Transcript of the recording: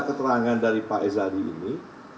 keterangan dari pak ezali ini